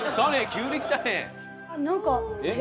急にきたね！